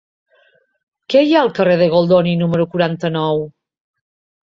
Què hi ha al carrer de Goldoni número quaranta-nou?